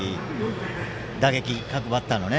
打撃各バッターのね